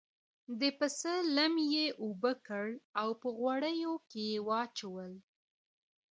د پسه لم یې اوبه کړل او په غوړیو کې یې واچول.